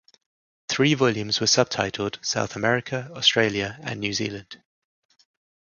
The three volumes were subtitled "South America", "Australia", and "New Zealand".